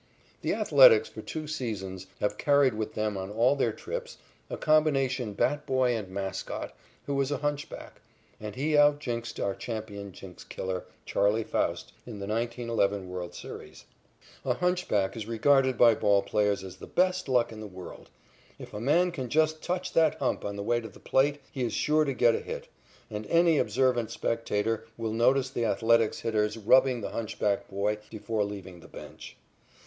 The Athletics, for two seasons, have carried with them on all their trips a combination bat boy and mascot who is a hunchback, and he outjinxed our champion jinx killer, Charley Faust, in the 1911 world's series. A hunchback is regarded by ball players as the best luck in the world. If a man can just touch that hump on the way to the plate, he is sure to get a hit, and any observant spectator will notice the Athletics' hitters rubbing the hunchback boy before leaving the bench.